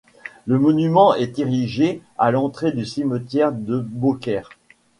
Le monument est érigé à l'entrée du cimetière de Beaucaire.